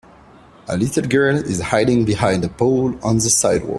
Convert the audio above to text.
A little girl is hiding behind a pole on the sidewalk.